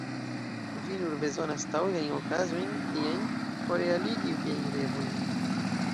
Vi nur bezonas taŭgajn okazojn tiajn, por realigi viajn revojn.